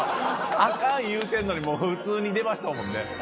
あかん言うてんのに、普通に出ましたもんね。